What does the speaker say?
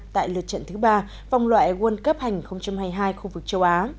tại lượt trận thứ ba vòng loại world cup hành hai mươi hai khu vực châu á